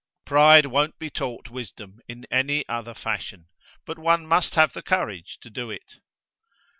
Pride won't be taught wisdom in any other fashion. But one must have the courage to do it!"